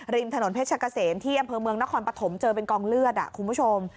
ริมถนนเพชรเกษมที่อำเภอเมืองนครปฐมเจอเป็นกองเลือดคุณผู้ชม